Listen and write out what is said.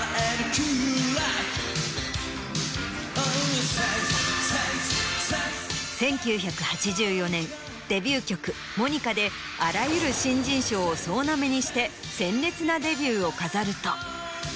Ｔｈａｎｋｓ，Ｔｈａｎｋｓ，１９８４年デビュー曲『モニカ』であらゆる新人賞を総なめにして鮮烈なデビューを飾ると。